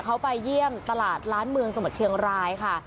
เขาไปเยี่ยมตลาดล้านเมืองจังหวัดเชียงรายค่ะ